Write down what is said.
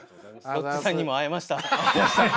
ロッチさんにも会えました。